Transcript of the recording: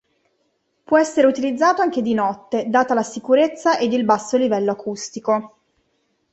Può essere utilizzato anche di notte data la sicurezza ed il basso livello acustico.